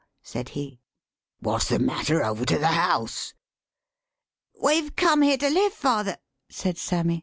said he. "What's the matter over to the house?" "We've come here to live, father," said Sam my.